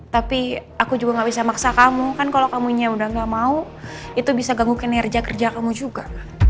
tapi aku juga gak bisa maksa kamu kan kalau kamunya udah gak mau itu bisa ganggu kinerja kerja kamu juga